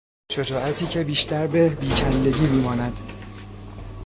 شجاعتی که بیشتر به بیکلگی میماند